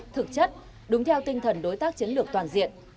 thực chất đúng theo tinh thần đối tác chiến lược toàn diện